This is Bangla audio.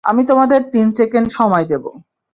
আমি তোমাদের তিন সেকেন্ড সময় দেব।